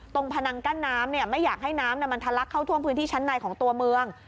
พนังกั้นน้ำไม่อยากให้น้ำมันทะลักเข้าท่วมพื้นที่ชั้นในของตัวเมือง